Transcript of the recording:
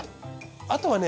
あとはね